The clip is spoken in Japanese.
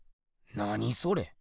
何それ？